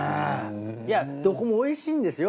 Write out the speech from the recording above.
いやどこもおいしいんですよ？